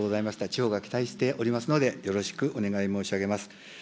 地方が期待しておりますので、よろしくお願い申し上げます。